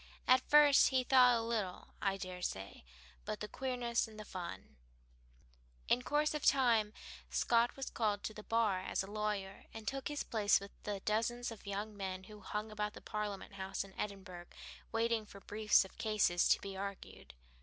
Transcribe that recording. At first he thought o' little, I dare say, but the queerness and the fun." In course of time Scott was called to the bar as a lawyer, and took his place with the dozens of young men who hung about the Parliament House in Edinburgh waiting for briefs of cases to be argued.